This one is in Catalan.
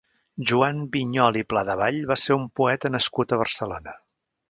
Joan Vinyoli i Pladevall va ser un poeta nascut a Barcelona.